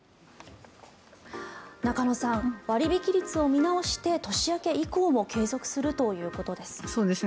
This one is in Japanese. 中野さん、割引率を見直して年明け以降も継続するということです。